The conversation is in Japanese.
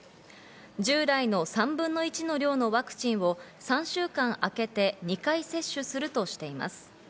従来の３分の１の量のワクチンを３週間あけて２回接種するとしています。